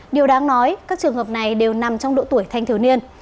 điều đáng nói các trường hợp này đều nằm trong độ tuổi thanh thiếu niên